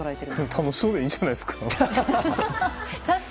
楽しそうでいいんじゃないですか。